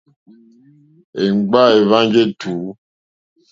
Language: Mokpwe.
Èmgbâ èhwánjì ètùú.